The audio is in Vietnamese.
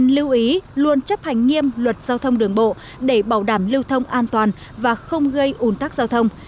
lưu ý luôn chấp hành nghiêm luật giao thông đường bộ để bảo đảm lưu thông an toàn và không gây ủn tắc giao thông